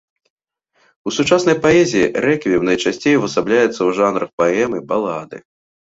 У сучаснай паэзіі рэквіем найчасцей увасабляецца ў жанрах паэмы, балады.